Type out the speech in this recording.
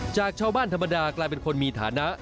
จากชาวบ้านธรรมดากลายเป็นคนมีฐานะ